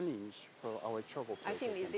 tantangan untuk perusahaan kita